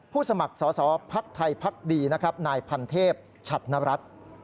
ผู้สมัครสอสอภักษ์ไทยภักดีนายพันเทพฉัตนรัฐ